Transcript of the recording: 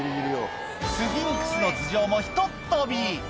スフィンクスの頭上もひとっ飛び！